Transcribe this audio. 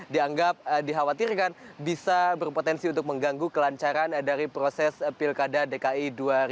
dianggap dikhawatirkan bisa berpotensi untuk mengganggu kelancaran dari proses pilkada dki dua ribu dua puluh